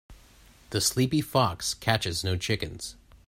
The sleepy fox catches no chickens.